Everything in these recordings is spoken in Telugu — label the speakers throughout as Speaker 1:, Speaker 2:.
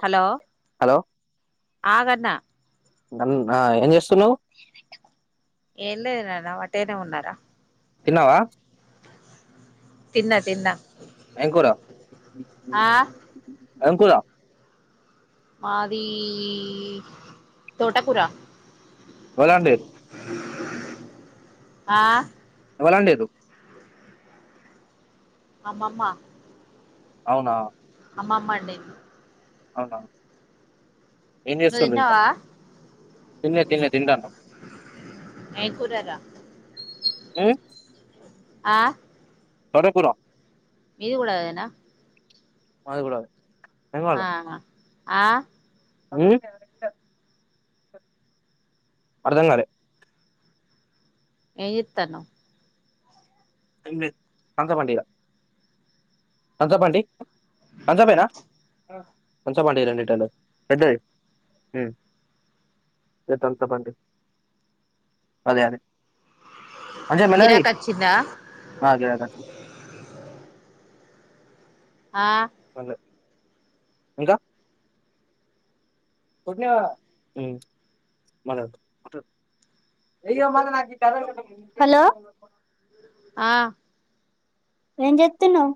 Speaker 1: హలో
Speaker 2: హలో
Speaker 1: ఆగన్న
Speaker 2: బంద్ ఆ ఎం చేస్
Speaker 1: ఎం లేదు నాన్న వ ట్టి గనే ఉన్నారా
Speaker 2: తిన్నావా
Speaker 1: తిన్నా తిన్న
Speaker 2: ఎం కురా ఎమ్ కురా
Speaker 1: అది తోటకూర
Speaker 2: పోయిరండి
Speaker 1: ఆ
Speaker 2: ఎవలండిర్రు
Speaker 1: అమ్మమ్మ
Speaker 2: అవునా
Speaker 1: అమ్మమ్మ అండింది
Speaker 2: అవున ఎమి
Speaker 1: నువ్వు
Speaker 2: చేస్తురు ఇంతా
Speaker 1: తిన్నావా
Speaker 2: తిన్లే తిన్లే తింటానం
Speaker 1: ఏం కూరరా
Speaker 2: ఆ
Speaker 1: ఆ
Speaker 2: తోట కూర
Speaker 1: మీది కూడా అదే నా
Speaker 2: మాది కూడ
Speaker 1: ఆ హా ఆ
Speaker 2: అవి అర్ధం గాలే
Speaker 1: ఏం జేతన్నవ్
Speaker 2: ఎమ్ లేదు కంక బండియ ఆ చెప్ ఆంటీ అంసె పేనా తమ్సప్ అంట ఇయ్ రెండు లీటర్లు పెద్దది ఉ రె తమ్సప్ అంట అదే అదే అనసూయ మెల్లగా
Speaker 1: గిరాకి
Speaker 2: దియ్
Speaker 1: వచ్చిందా
Speaker 2: ఆ గీడ్ దాకా అచ్చింది
Speaker 1: ఆ
Speaker 2: పర్లే ఇంకా కొట్టినవ మ్ మల్ల గొట్టు కొట్టు ఏయ మల్ల నాకు ఇ కథలు పెట్టకు హలో
Speaker 1: ఆ
Speaker 2: ఏం జేత్తున్నవ్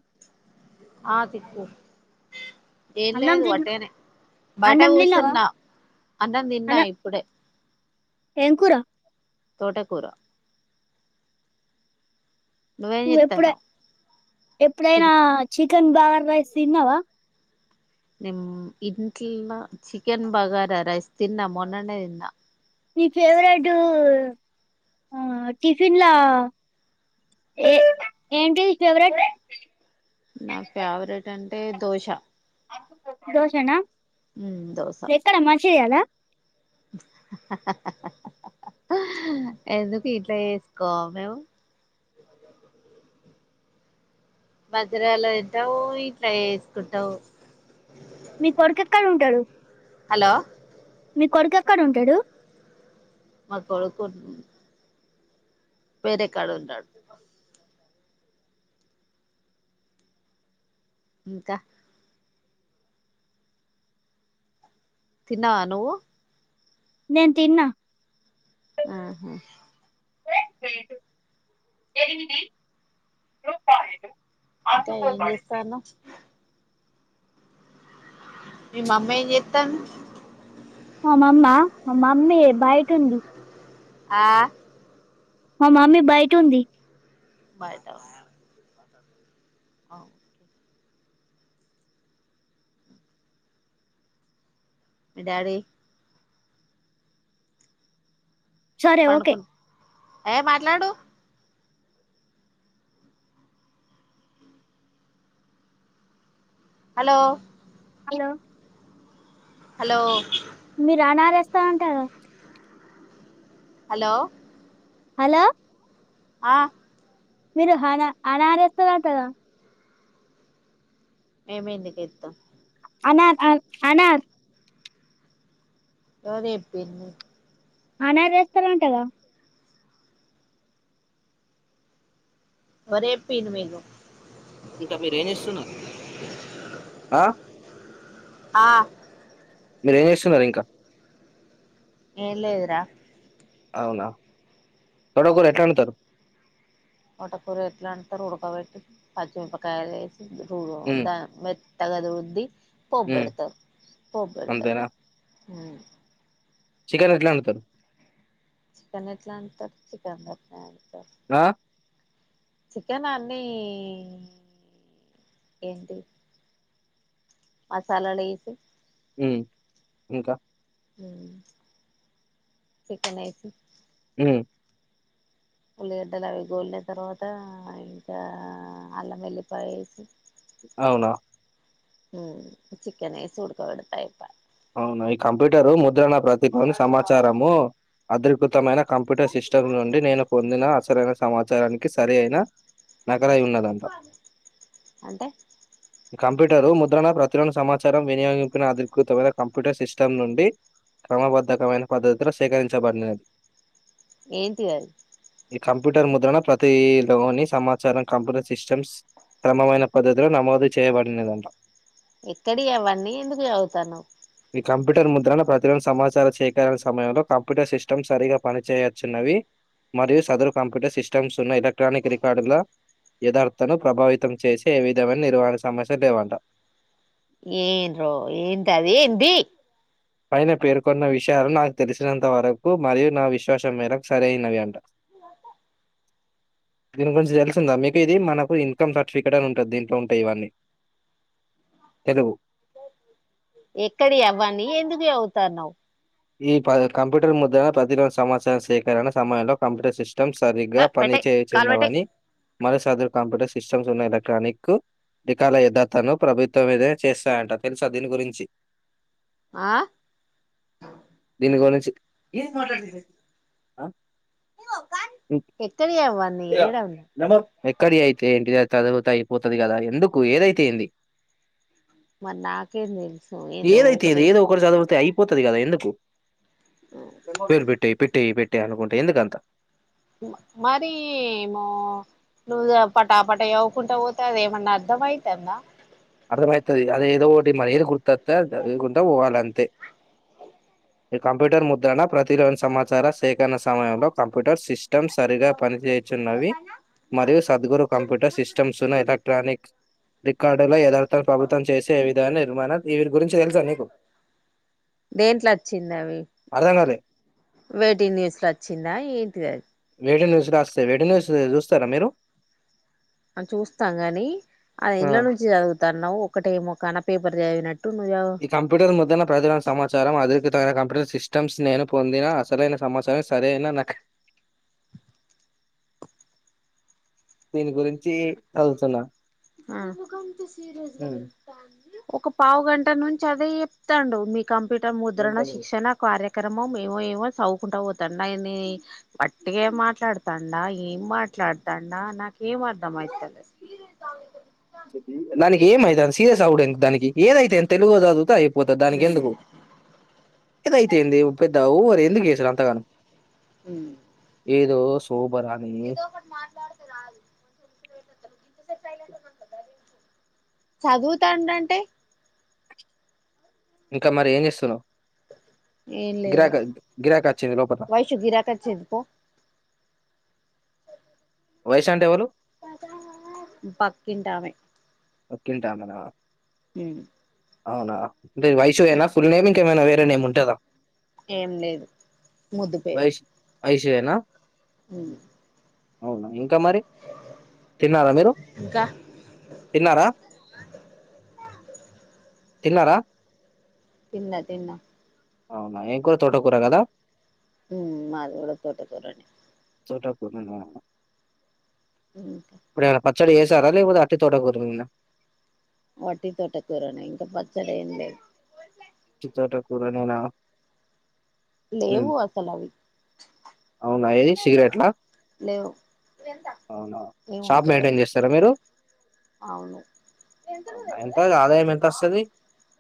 Speaker 1: ఆ తిప్పు ఏం
Speaker 2: అన్నం
Speaker 1: లేదు
Speaker 2: తిన్
Speaker 1: ఒటిగనే బయట
Speaker 2: అన్నం తిన్నావా
Speaker 1: కూసున్నా అన్నం తిన్నా
Speaker 2: అన్న
Speaker 1: ఇప్పుడే
Speaker 2: ఏం కూర
Speaker 1: తోటకూర నువ్వేం
Speaker 2: నువ్వు ఎప్పుడ
Speaker 1: చేత్తన్నావ్ తిన్
Speaker 2: ఎప్పుడైనా చి కన్ బగార రైస్ తిన్నావా
Speaker 1: నిన్ ఇంట్ల చికెన్ బగారా రైస్ తిన్నా మొన్ననే తిన్నా
Speaker 2: నీ ఫేవరెట్ అ టిఫిన్లా ఏ ఏంటిది ఫేవరెట్
Speaker 1: నా ఫేవరెట్ అం టే దోశ
Speaker 2: దోశ నా
Speaker 1: ఉమ్ దోస
Speaker 2: చెయాలా
Speaker 1: హ హ హ హ హ హ హ హ ఎందుకు ఇంట్లా చేసుకోమ మేము మంచిరాల తింటావు ఇట్లా చేసుకుంటావు
Speaker 2: మీ కొడుకు ఎక్కడ ఉంటడు
Speaker 1: హలో
Speaker 2: మీ కొడుకు ఎక్కడ ఉంటడు
Speaker 1: మా కొడుకు వేరేకాడ ఉన్నడు ఇంకా తిన్నవ నువ్వు
Speaker 2: నేను తిన్న
Speaker 1: ఆహా
Speaker 2: ఫోన్ పె లు ఎనిమిది రూపాయలు
Speaker 1: ఇంకా ఏం
Speaker 2: అందుకోబడింది
Speaker 1: చేస్తాన్నావ్ మీ మమ్మీ ఏం చేత్తాంది
Speaker 2: మా మమ్మ మా మమ్మీ బయట ఉంది
Speaker 1: ఆ
Speaker 2: మా మమ్మీ బయట ఉంది
Speaker 1: బయటన ఆ ఓకే మీ డాడీ
Speaker 2: సరే ఓకే
Speaker 1: పండుకుని ఏ మాట్లాడు హలో
Speaker 2: హలో
Speaker 1: హలో
Speaker 2: మీరు అనాలేస్తాంటారా
Speaker 1: హలో
Speaker 2: హలో
Speaker 1: ఆ
Speaker 2: మీరు హనా అనారేస్తారాంట గా
Speaker 1: మేము ఎందుకు ఎత్తం
Speaker 2: అనార్ అ అనార్
Speaker 1: గదే చెప్పింది
Speaker 2: అనర్ వేస్తారంటగా
Speaker 1: ఓరు చెప్పిండ్రు మీకు
Speaker 2: ఇంకా మీరు ఏం చేస్తున్నారు ఆ
Speaker 1: ఆ
Speaker 2: మీరేం చేస్తున్నారు ఇంకా
Speaker 1: ఏం లేదురా
Speaker 2: అవునా
Speaker 1: ఆ
Speaker 2: తోటకూర ఎట్లుండుతారు
Speaker 1: తోటకూర ఎట్లా అండుతారు ఉడకబెట్టి పచ్చిమిరపకాయలు వేసి ఓ
Speaker 2: ఉమ్
Speaker 1: దాని బెట్ తగదు ఉంది పోపు
Speaker 2: ఉమ్
Speaker 1: పెడత పోపు పెడతా
Speaker 2: అంతేనా
Speaker 1: ఆన్
Speaker 2: చికెన్ ఎట్ల వండుతారు
Speaker 1: చికెన్ ఎట్లా అంటారు చికెన్ గట్లనే
Speaker 2: ఆ
Speaker 1: చికెన్ అన్ని ఏంటి మసాలాలు ఏసీ
Speaker 2: మ్మ్ ఇంకా
Speaker 1: మ్మ్ చికెన్ అయితే
Speaker 2: మ్మ్
Speaker 1: ఉల్లిగడ్డలు అవి గోలిన తర్వాత ఇంకా అల్లం వెల్లిపాయ ఏసి
Speaker 2: అవునా
Speaker 1: ఉమ్ చికెన్ ఏసీ ఉడకబెడితే అయిపాయ్
Speaker 2: అవునా ఈ కంప్యూటరు ముద్రణ ప్రతి పని సమాచారము అద్రి అద్భుతమైన కంప్యూటర్ సిస్టమ్స్ నుండి నేను పొందిన అసరైన సమాచారానికి సరి అయిన నకాలయి ఉన్నదంట
Speaker 1: అంటే
Speaker 2: కంప్యూటర్ ముద్రణ ప్రచురణ సమాచారం వినియోగింపిన అధికృతమైన కంప్యూటర్ సిస్టమ్ నుండి క్రమబద్ధకమైన పద్ధతిలో సేకరించబడినది.
Speaker 1: ఏంటి అది
Speaker 2: ఈ కంప్యూటర్ ముద్రణ ప్రతి లోని సమాచారం కంప్యూటర్ సిస్టమ్స్ క్రమామైన పద్ధతిలో నమోదు చేయబడినదంట.
Speaker 1: ఎక్కడియవన్నీ ఎందుకు చదువుతన్నవ్
Speaker 2: ఈ కంప్యూటర్ ముద్రణ ప్రతిరోజు సమాచార చేకరన సమయంలో కంప్యూటర్ సిస్టమ్ సరిగా పనిచేయుచున్నవి. మరియు సదరు కంప్యూటర్ సిస్టమ్స్ ఉన్న ఎలక్ట్రానిక్ రికార్డుల యథార్థను ప్రభావితం చేసే ఏ విధమైన నిర్వహణ సమస్య లేవంట.
Speaker 1: ఏన్ రో ఏందది ఏంది.
Speaker 2: పైన పేర్కొన్న విషయాలు నాకు తెలిసినంత వరకు మరియు నా విశ్వాసం మేరకు సరి అయినవి అంట. దీని గురించి తెలుసిందా మీకు ఇది మనకు ఇన్కమ్ సర్టిఫికేట్ అని ఉంటది దీంట్లో ఉంటాయి. ఇవన్నీ తెలుగు
Speaker 1: ఎక్కడియి అవ్వన్నీ ఎందుకు చదువుత్తన్నావ్
Speaker 2: ఈ కంప్యూటర్ ముద్రణ ప్రతిరోజు సమాచారం సేకరణ సమయంలో కంప్యూటర్ సిస్ట స్టం సరిగా
Speaker 1: ఆ పెట్టేయ్ కాలు పెట్టేయ్
Speaker 2: పనిచేయుచున్నావని మనస్పూ సదరు కంప్యూటర్ సిస్టమ్స్ ఉన్న ఎలక్ట్రానిక్ రికార్డు ల యాధత్తను ప్రభుత్వం మీదే చేస్తాయంట తెలుసా దీని గురించి
Speaker 1: ఆ
Speaker 2: దీని గురించి
Speaker 1: ఎక్కడియి అవన్నీ ఏడవున్నాయి
Speaker 2: ఎక్కడియి అయితే ఏంటిదది. చదువుతె అయిపోతది కదా ఎందుకు ఏదైతేంది.
Speaker 1: మరి నాకేం తెలుసు ఏందో ఒకటైతే
Speaker 2: పోతది కదా ఎందుకు పేర్ పెట్టెయీ పెట్టే పేట్ టే అనుకుంటె ఎందుకంత
Speaker 1: మరి ఏమో నువ్వు పటా పట చదువుకుంటే పోతే అది ఏమన్నా అర్ధం అయితందా
Speaker 2: అర్థమయితది అది ఏదో ఓటి మరి ఏది గుర్తత్తే అది చదువుకుంట పోవాల అంతే ఈ కంప్యూటర్ ముద్రనా ప్రతిలోని సమాచార సేకరణ సమయంలో కంప్యూటర్ సిస్టమ్స్ సరిగా పనిచేయుచున్నవి మరియు సద్గురు కంప్యూటర్ సిస్టమ్స్ ను ఎలక్ట్రానిక్ దిక్ డంలో యదార్థను ప్రభుత్వం చేసే విధాన్నే నువ్వనద్దు
Speaker 1: దేంట్ల అచ్చింది. అవి
Speaker 2: అర్థం కాలే
Speaker 1: వే టూ న్యూస్ ల ఆచ్చిందా ఏంటిది అది
Speaker 2: వే టూ న్యూస్ అస్తయి వే టూ న్యూస్ చూస్తారా మీరు
Speaker 1: అ చూస్తాం గని అది
Speaker 2: ఆ
Speaker 1: ఎండ్ల నుంచి చదువు తన్నవ్ ఒకటేమోకాన పేపర్ చదివినట్టు నువ్వు
Speaker 2: ఈ కంప్యూటర్ ముద్రన ప్రధాన సమాచారం అధి త కంప్యూటర్ సిస్టమ్స్ నేను పొందిన అసలైన సమాచారం సరై నా దీని గురిం
Speaker 1: ఆ
Speaker 2: ఉమ్.
Speaker 1: ఒక పావు గంట నుంచి అదే చెప్తాండు మీకు కంప్యూటర్ ముద్రణ శిక్షణ కార్య అక్రమ మేమో ఏమో చదువుకుంటా పోతాండ్ నయని వట్టిగా మాట్లాడతాండా ఏం మాట్లాడుతాండా నాకేం అర్ధమవుతది
Speaker 2: దానికి ఏమయితంది సీరియస్ అవ్వుడేందుకు దానికి ఏదైతే తెలుగు చదువుతే ఐ పోతది దానికి ఎందుకు ఏదయితేంది పెద్ద త ఓవర్ ఎందుకు చేసుడు అంతగానం ఏదో సో
Speaker 1: ఏదో ఒకటి మాట్లాడితే రాదు మంచిగా ముచ్చట్లు పెట్టి నట్లు చదువుతాండు అంటే
Speaker 2: ఇంకా మరి ఏం చేస్తున్నావు
Speaker 1: ఎమ్ లేదు
Speaker 2: గిరాక గిరాక వచ్చింది లోపల
Speaker 1: వైషు గిరాకీ వచ్చింది పో
Speaker 2: వైషూ అంటే ఎవలు
Speaker 1: బకింటామె పక్కింటమే
Speaker 2: పక్కింటమనా
Speaker 1: హుమ్
Speaker 2: అవునా అంటే వైషూ ఐన ఫుల్ నేమ్ ఇంకేమైనా వేరే నేమ్ ఉంటదా
Speaker 1: ఏం లేదు
Speaker 2: వైష్ ఐషయనా
Speaker 1: ఉ
Speaker 2: అవునా ఎయ్ ఇంకా మరి తిన్నారా మీరు
Speaker 1: ఇంకా
Speaker 2: తిన్నారా తిన్నారా
Speaker 1: తిన్నా తిన్నా
Speaker 2: అవునా ఏం కూర తోటకూర గదా
Speaker 1: ఉ మాది గూడ తోటకూర నే
Speaker 2: చోటకూర న
Speaker 1: ఇంకా
Speaker 2: పచ్చడి చేసారా లేకపోతే అట్టి తోటకూరల
Speaker 1: వట్టి తోటకూరనే ఇంకా పచ్చడి ఏం లేదు
Speaker 2: అట్టి తోటకూరనేనా హ్మ్.
Speaker 1: లేవు అసల అవి
Speaker 2: అవునా ఏది సిగరెట్లా
Speaker 1: లేవు ఇది ఎంత
Speaker 2: అవునా
Speaker 1: ఏమో
Speaker 2: షాప్ మెయింటైన్
Speaker 1: తెలువది
Speaker 2: చేస్తారా మీరు
Speaker 1: అవును ఇది ఎంతనో
Speaker 2: అవునా ఎంత
Speaker 1: తెలువదా
Speaker 2: ఆదాయం ఎంత వస్తది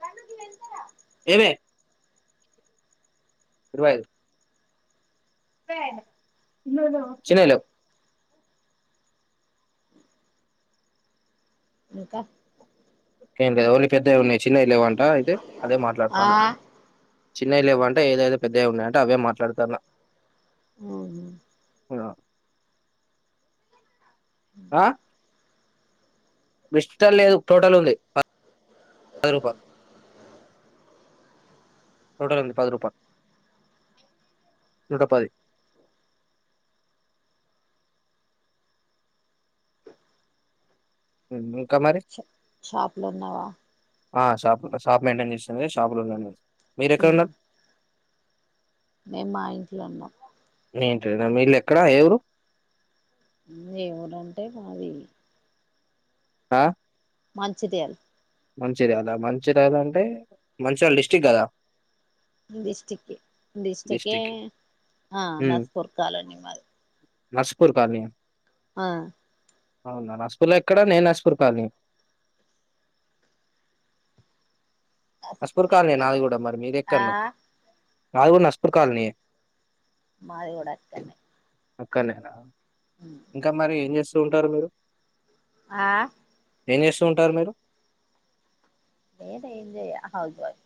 Speaker 1: బన్ను గిది ఎంత రా
Speaker 2: ఏమే ఇరవై ఐదు ఇరవై ఐద నో నో చిన్నాయి లేవు
Speaker 1: అ ఇంకా
Speaker 2: గంతే ఓన్లీ పెద్దయ్ ఉన్నాయి చిన్నాయి లేవంట అయితే అదే
Speaker 1: ఆ
Speaker 2: మాట్లాడుతాన చిన్నాయి లేవు అంట ఏదోదో పెద్దవి ఉన్నాయంట అవే మాట్లాడుతాన
Speaker 1: మ్మ్
Speaker 2: పద ఆ మిస్టర్ లేదు టోటల్ ఉంది ఆ పది నూట పది రూపాలు నూట పది పెందలు
Speaker 1: ష షాప్ లో ఉన్నావా
Speaker 2: ఆ షాప్ షాప్ మెయింటైన్ చేస్తుంది షాప్ లో ఉంద
Speaker 1: ఉమ్
Speaker 2: మీరెక్కడున్నారు
Speaker 1: మేము మా ఇంట్లో ఉన్నాం
Speaker 2: ఏంటి వీళ్ళు ఎక్కడ ఏ ఊరు
Speaker 1: దేవుడుంటే మాది
Speaker 2: ఆ
Speaker 1: మంచిదయల
Speaker 2: మంచిర్యాాలా మంచిర్యాాల అంటే మంచాల డిస్టిక్ కదా
Speaker 1: డిస్టక్ డిస్టకే
Speaker 2: డిస్టిక్
Speaker 1: ఆ నాస్పూర్ కాలనీ మారి
Speaker 2: నస్పూర్ కాలనీ ఆ
Speaker 1: ఆ
Speaker 2: అవునా నస్పూర్ లో ఎక్కడ నేను నస్పూర్ కాలనీ అ నాస్ఫుర్
Speaker 1: నస్పూరే
Speaker 2: కాలినే
Speaker 1: మాది
Speaker 2: నాది కూడా మరి
Speaker 1: ఆ
Speaker 2: మీరెక్కను నాది కూడా నస్పూర్ కాలనీ
Speaker 1: మాది కూడా అక్కడనే
Speaker 2: అక్కనేనా ఇంకా మరి ఏం చేస్త స్తుంటారు మీరు
Speaker 1: ఆ
Speaker 2: ఏం చేస్తుూ ఉంటారు మీరు
Speaker 1: నేను ఏంజయ్య హౌస్వైఫ్